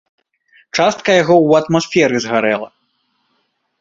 Частка яго ў атмасферы згарэла.